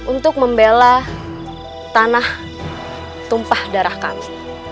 untuk membela tanah tumpah darah kami